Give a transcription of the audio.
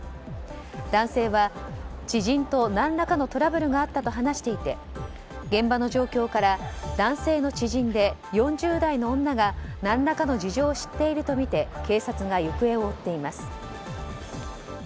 男性は、知人と何らかのトラブルがあったと話していて現場の状況から男性の知人で４０代の女が何らかの事情を知っているとみて警察が行方を追っています。